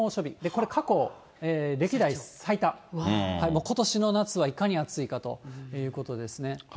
これ過去、歴代最多、ことしの夏がいかに暑いかということですね。